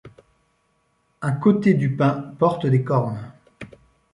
Un côté du pain porte des cornes.